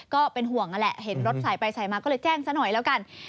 ก็เป็นห่วงนั่นแหละเห็นรถสายไปสายมาก็เลยแจ้งซะหน่อยแล้วกัน